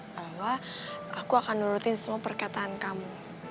kalau gak aku akan nurutin semua perkataan kamu